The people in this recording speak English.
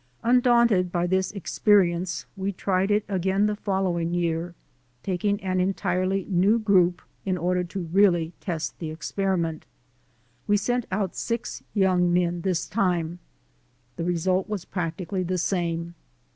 Undaunted by this experience, we tried it again the following year, taking an entirely new group in order to really test the experiment. We sent out six young men this time. The result was practically the same.